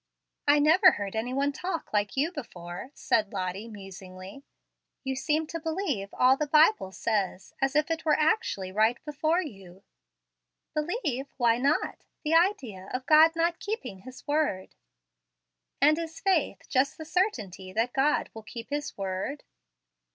"I never heard any one talk like you before," said Lottie, musingly. "You seem to believe all the Bible says, as if it were actually right before you." "Believe! Why not? The idea of God not keeping His word!" "And is faith just the certainty that God will keep His word?"